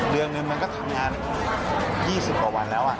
เดือนหนึ่งมันก็ทำงาน๒๐กว่าวันแล้ว